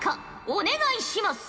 お願いします！